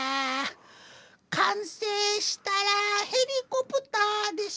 「完成したらヘリコプターでした」